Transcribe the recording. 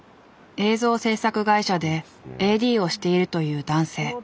映像制作会社でＡＤをしているという男性。